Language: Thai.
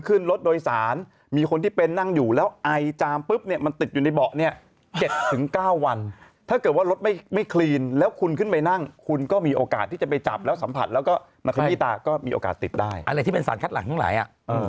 ขึ้นรถโดยสารมีคนที่เป็นนั่งอยู่แล้วไอจามปุ๊บเนี่ยมันติดอยู่ในเบาะเนี่ย๗๙วันถ้าเกิดว่ารถไม่คลีนแล้วคุณขึ้นไปนั่งคุณก็มีโอกาสที่จะไปจับแล้วสัมผัสแล้วก็มาขยี้ตาก็มีโอกาสติดได้อะไรที่เป็นสารคัดหลังทั้งหลายอ่ะ